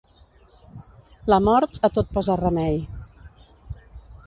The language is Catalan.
La mort, a tot posa remei.